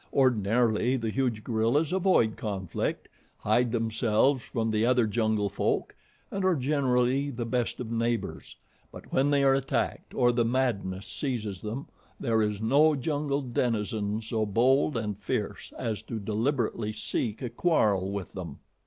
Ordinarily the huge gorillas avoid conflict, hide themselves from the other jungle folk, and are generally the best of neighbors; but when they are attacked, or the madness seizes them, there is no jungle denizen so bold and fierce as to deliberately seek a quarrel with them.